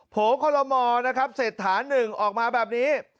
ผลข้อลมเสร็จฐานหนึ่งออกมาแบบนี้